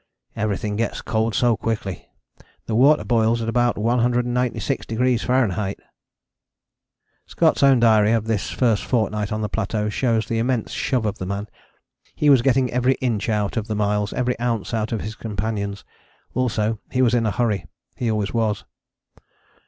Everything gets cold so quickly, the water boils at about 196° F. Scott's own diary of this first fortnight on the plateau shows the immense shove of the man: he was getting every inch out of the miles, every ounce out of his companions. Also he was in a hurry, he always was.